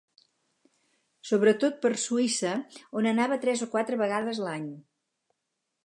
Sobretot per Suïssa on anava tres o quatre vegades l'any.